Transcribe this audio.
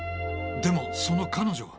でもその彼女は。